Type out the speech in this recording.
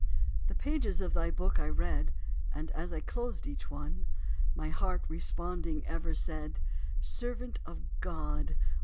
The pages of thy book I read, And as I closed each one, My heart, responding, ever said, "Servant of God!